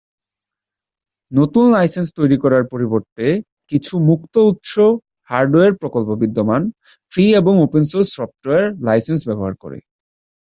নতুন লাইসেন্স তৈরি করার পরিবর্তে কিছু মুক্ত-উৎস হার্ডওয়্যার প্রকল্প বিদ্যমান, ফ্রি এবং ওপেন সোর্স সফ্টওয়্যার লাইসেন্স ব্যবহার করে।